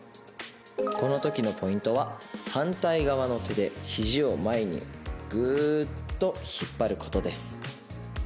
このときのポイントは反対側の手で肘を前にぐーっと引っ張ることです。